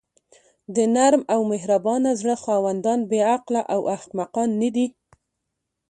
د نرم او مهربانه زړه خاوندان بې عقله او احمقان ندي.